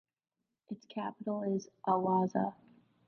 Its capital is Awasa.